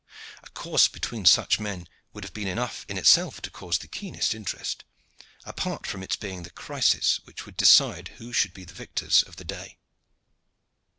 A course between such men would have been enough in itself to cause the keenest interest, apart from its being the crisis which would decide who should be the victors of the day.